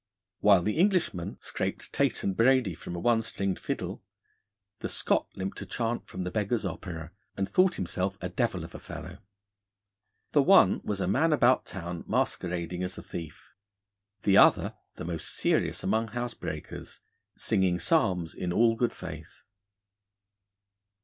While the Englishman scraped Tate and Brady from a one stringed fiddle, the Scot limped a chaunt from The Beggar's Opera, and thought himself a devil of a fellow. The one was a man about town masquerading as a thief; the other the most serious among housebreakers, singing psalms in all good faith.